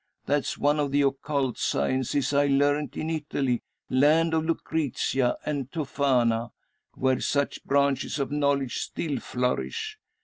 That's one of the occult sciences I learnt in Italy, land of Lucrezia and Tophana; where such branches of knowledge still flourish.